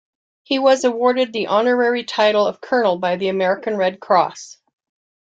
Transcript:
He was awarded the honorary title of colonel by the American Red Cross.